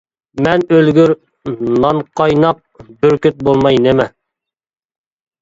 مەن ئۆلگۈر، نانقايناق بۈركۈت بولماي نېمە؟ !